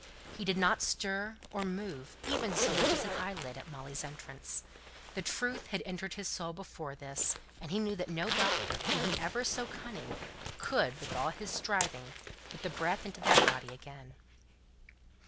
He did not stir or move, even so much as an eyelid, at Molly's entrance. The truth had entered his soul before this, and he knew that no doctor, be he ever so cunning, could, with all his striving, put the breath into that body again.